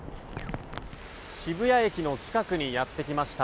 渋谷駅の近くにやってきました。